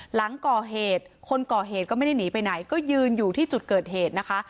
หลังก่อเหตุคนก่อเหตุก็ไม่ได้หนีไปไหนก็ยืนอยู่ที่จุดเกิดเหตุนะคะ